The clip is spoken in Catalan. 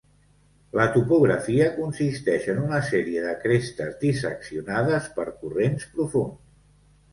La topografia consisteix en una sèrie de crestes disseccionades per corrents profunds.